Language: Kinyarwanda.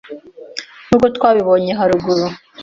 Nk’uko twabibonye haruguru